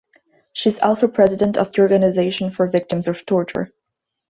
She is also President of the Organization for Victims of Torture.